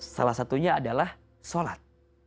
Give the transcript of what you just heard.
salah satunya adalah solat